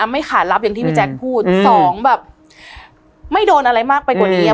ไม่ขาดลับอย่างที่พี่แจ๊คพูดสองแบบไม่โดนอะไรมากไปกว่านี้